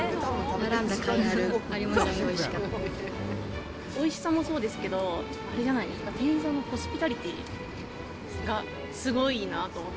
並んだかいがあるぐらいおいしかおいしさもそうですけど、あれじゃないですか、店員さんのホスピタリティーがすごいなと思って。